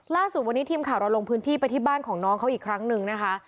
ล่าสุดวันนี้ทีมข่าวเราลงพื้นที่ไปที่บ้านของน้องเขาอีกครั้งหนึ่งนะคะ